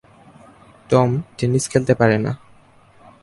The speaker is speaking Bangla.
টম টেনিস খেলতে পারে না।